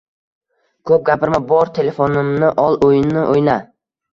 Ko`p gapirma, bor telefonimni ol, o`yinini o`yna